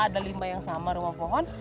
ada limbah yang sama rumah pohon